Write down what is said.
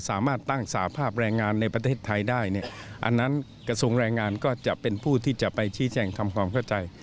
สามารถตั้งสภาพแรงงานในประเทศไทยได้เนี่ยอันนั้นกระทรวงแรงงานก็จะเป็นผู้ที่จะไปชี้แจงทำความเข้าใจ